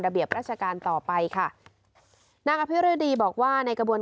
เบียบราชการต่อไปค่ะนางอภิรดีบอกว่าในกระบวน